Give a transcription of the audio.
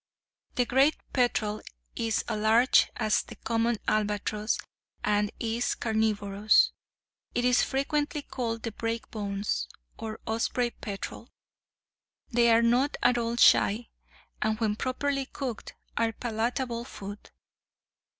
The great peterel is as large as the common albatross, and is carnivorous. It is frequently called the break bones, or osprey peterel. They are not at all shy, and, when properly cooked, are palatable food.